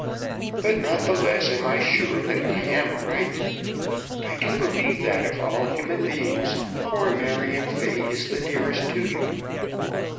But not the less am I sure that I am right. I do believe that of all human beings poor Marion Fay is the dearest to you.